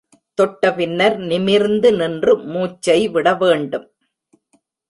தொட்ட பின்னர், நிமிர்ந்து நின்று மூச்சை விட வேண்டும்.